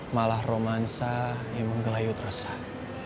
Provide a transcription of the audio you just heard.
malah romansa yang menggelayut resah